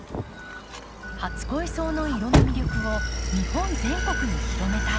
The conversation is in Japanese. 初恋草の色の魅力を日本全国に広めたい。